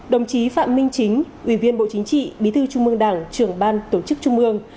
đồng chí phạm minh chính ủy viên bộ chính trị bí thư trung mương đảng trưởng ban tổ chức trung ương